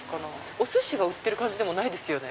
お寿司が売ってる感じでもないですよね。